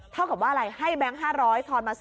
เท่ากับว่าอะไรให้แบงค์๕๐๐ทอนมา๔๐